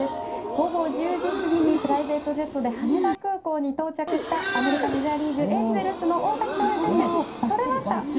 午後１０時過ぎにプライベートジェットで羽田空港に到着したアメリカ、メジャーリーグエンゼルスの大谷翔平選手、撮れました！